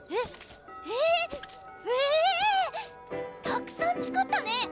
たくさん作ったね！